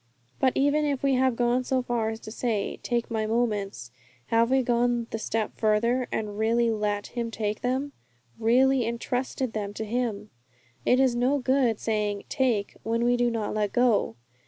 But even if we have gone so far as to say, 'Take my moments,' have we gone the step farther, and really let Him take them really entrusted them to Him? It is no good saying 'take,' when we do not let go.